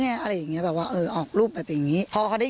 อะไรอย่างเงี้แบบว่าเออออกรูปแบบอย่างงี้พอเขาได้